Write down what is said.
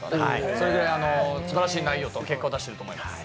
それぐらい素晴らしい内容と結果を出していると思います。